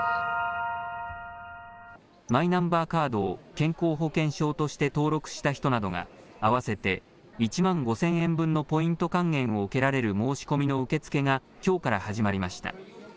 マイナンバーカードを健康保険証として登録した人などが合わせて１万５０００円分のポイント還元を受けられる申し込みの受け付けがきょうから始まりました。